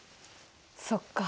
そっか。